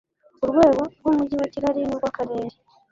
Ku rwego rw Umujyi wa Kigali n urw Akarere